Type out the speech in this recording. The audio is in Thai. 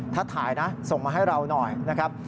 ถ้าถ่ายนะส่งมาให้เราหน่อยนะครับ